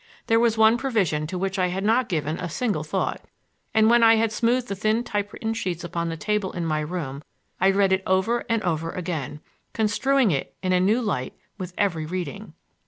There was one provision to which I had not given a single thought, and when I had smoothed the thin type written sheets upon the table in my room I read it over and over again, construing it in a new light with every reading.